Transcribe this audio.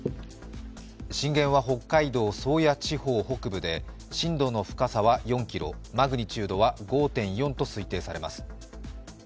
震源は北海道宗谷地方北部で震度の深さは４ｋｍ、マグニチュードは５．４と推定されます。